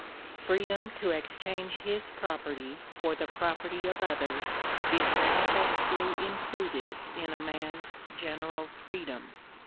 Freedom to exchange bis property for the property of others, is manifestly included in a mans general freedom.